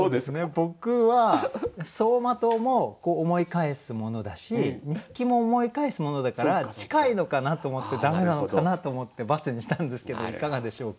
僕は走馬灯も思い返すものだし日記も思い返すものだから近いのかなと思って駄目なのかなと思って×にしたんですけどいかがでしょうか？